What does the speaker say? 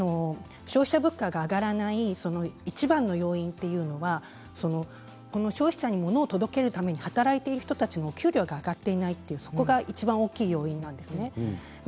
消費者物価が上がらないいちばんの要因というのは消費者に物を届けるために働いている人たちの給料が上がっていないそこがいちばん大きな要因なんです。